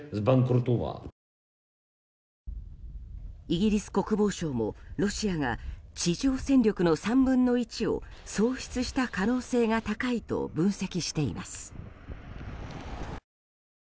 イギリス国防省もロシアが地上戦力の３分の１を喪失した可能性が高いと分析しています。